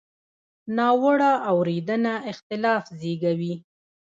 ناوړه اورېدنه اختلاف زېږوي.